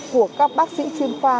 của các bác sĩ chuyên khoa